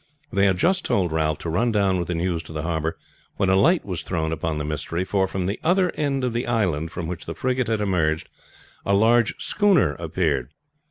They had just told Ralph to run down with the news to the harbor when a light was thrown upon the mystery; for from the other end of the island from which the frigate had emerged a large schooner appeared.